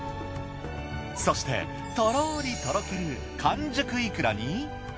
そしてとろりとろける完熟いくらに。